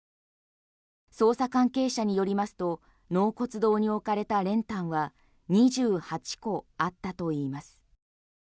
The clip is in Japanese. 捜査関係者によりますと納骨堂に置かれた練炭は２８個あったといいます。